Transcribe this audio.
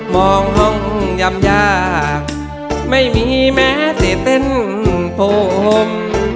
มองห้องยำยากไม่มีแม้เศษเต้นโผ่ม